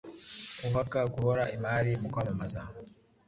uhaka guhora imari mu kwamamaza